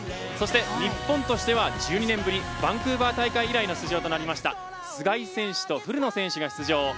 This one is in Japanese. そして、日本としては１２年ぶりバンクーバー大会以来の出場となりました須貝選手と古野選手が出場。